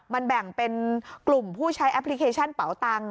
มันแบ่งเป็นกลุ่มผู้ใช้แอปพลิเคชันเป๋าตังค